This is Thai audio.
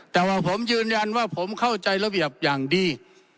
แต่ว่าผมยืนยันว่าผมเข้าใจระเบียบอย่างดี